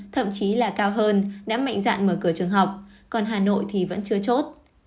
thậm chí là cao hơn đã mạnh dạn mở cửa trường học còn hà nội thì vẫn chưa chốt